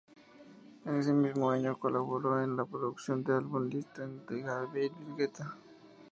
En ese mismo año colaboró en la producción del álbum "Listen" de David Guetta.